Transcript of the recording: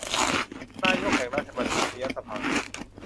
นายกแห่งราชบัณฑิตยสภา